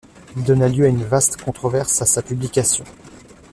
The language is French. Il donna lieu à une vaste controverse à sa publication.